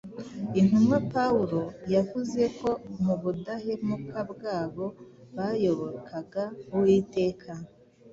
Intumwa Pawulo yavuze ko mu budahemuka bwabo bayobokaga Uwiteka